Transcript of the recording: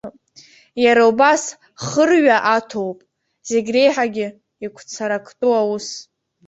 Иара убас хырҩа аҭоуп зегь реиҳагьы игәцарактәу аус.